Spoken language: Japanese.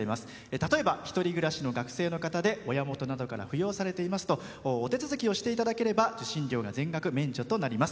例えば１人暮らしの学生の方で親元などから扶養されていますとお手続きをしていただければ受信料が全額免除されます。